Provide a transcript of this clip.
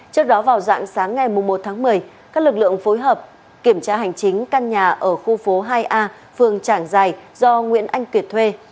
trước đó vào dạng sáng ngày một tháng một mươi các lực lượng phối hợp kiểm tra hành chính căn nhà ở khu phố hai a phường trảng giài do nguyễn anh kiệt thuê